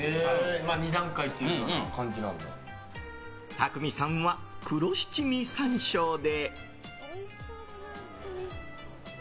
たくみさんは黒七味山椒で。